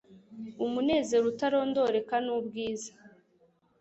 umunezero utarondoreka, nu bwiza